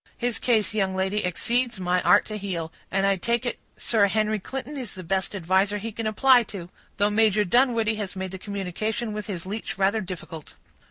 His case, young lady, exceeds my art to heal; and I take it Sir Henry Clinton is the best adviser he can apply to; though Major Dunwoodie has made the communication with his leech rather difficult."